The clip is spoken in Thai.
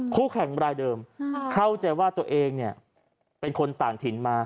คู่แข่งรายเดิมเข้าใจว่าตัวเองเนี่ยเป็นคนต่างถิ่นมา